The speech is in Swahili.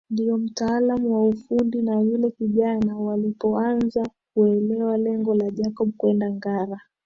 Ndio mtaalam wa ufundi na yule kijana walipoanza kuelewa lengo la Jacob kwenda Ngara